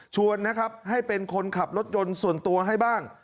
ชวนนะครับให้เป็นคนขับรถยนต์ส่วนตัวให้บ้าง